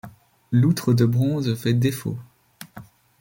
L’outre de bronze fait défaut.